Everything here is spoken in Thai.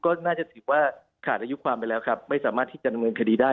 ก็น่าจะถือว่าขาดอายุความไปแล้วครับไม่สามารถที่จะดำเนินคดีได้